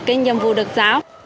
cái nhiệm vụ được giao